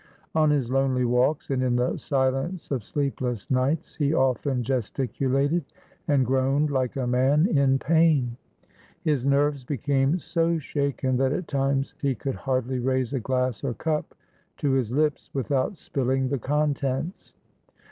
On his lonely walks, and in the silence of sleepless nights, he often gesticulated and groaned like a man in pain. His nerves became so shaken that at times he could hardly raise a glass or cup to his lips without spilling the contents.